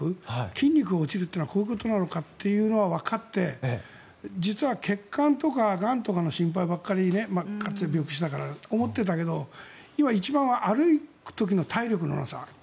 筋肉が落ちるというのはこういうことなのかというのはわかって実は血管とかがんとかの心配ばかりかつて病気したから思っていたけど今、一番は歩く時の体力のなさ。